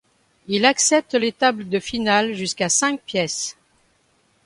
Il accepte les tables de finales jusqu'à cinq pièces.